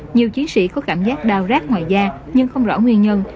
nhiều chiến sĩ có cảm giác đau rác ngoài da nhưng không rõ nguyên nhân